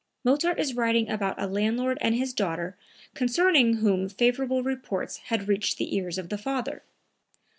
Mozart is writing about a landlord and his daughter concerning whom favorable reports had reached the ears of the father.